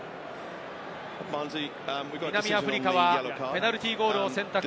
南アフリカはペナルティーゴールを選択。